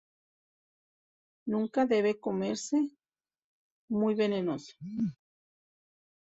Nunca debe comerse, muy venenoso.